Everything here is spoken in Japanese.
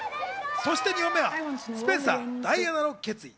そして２本目は『スペンサーダイアナの決意』。